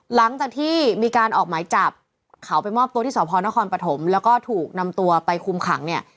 หลังจากที่มีการออกหมายจับเขาไปมอบตัวที่สพนครปฐมแล้วก็ถูกนำตัวไปคุมขังเนี่ย